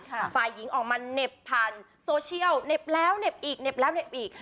ฝ่ายหญิงออกมาเหน็บผ่านโซเชียลเหน็บแล้วเหน็บอีกเหน็บแล้วเหน็บอีก